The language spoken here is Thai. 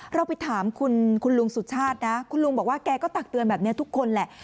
เราไปถามคุณลุงสุชาตินะคุณลุงบอกว่าแกก็ตักเตือนแบบนี้ทุกคนแหละ